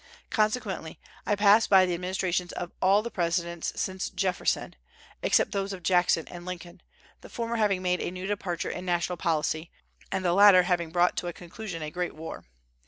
Consequently I pass by the administrations of all the presidents since Jefferson, except those of Jackson and Lincoln, the former having made a new departure in national policy, and the latter having brought to a conclusion a great war.